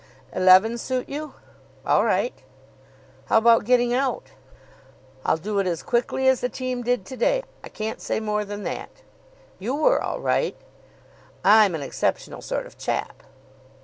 "Eleven suit you?" "All right." "How about getting out?" "I'll do it as quickly as the team did to day. I can't say more than that." "You were all right." "I'm an exceptional sort of chap."